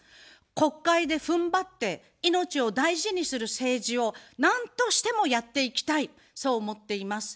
国会でふんばって、命を大事にする政治をなんとしてもやっていきたい、そう思っています。